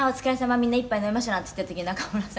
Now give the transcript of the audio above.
みんな一杯飲みましょう”なんて言っている時に中村さん“